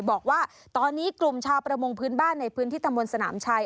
บอกว่าตอนนี้กลุ่มชาวประมงพื้นบ้านในพื้นที่ตำบลสนามชัย